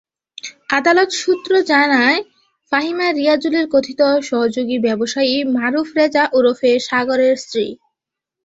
আদালত সূত্র জানায়, ফাহিমা রিয়াজুলের কথিত সহযোগী ব্যবসায়ী মারুফ রেজা ওরফে সাগরের স্ত্রী।